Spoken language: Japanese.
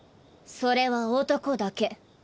それは男だけ。